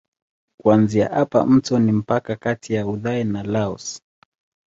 Kuanzia hapa mto ni mpaka kati ya Uthai na Laos.